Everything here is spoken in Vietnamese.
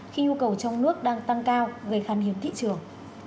khi nhu cầu trong nước đang tăng cao gây khán hiếm thị trường